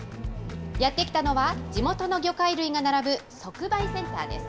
やって来たのは地元の魚介類が並ぶ即売センターです。